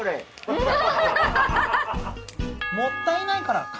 もったいないから。